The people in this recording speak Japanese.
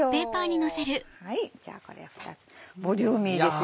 じゃあこれ２つボリューミーですよね。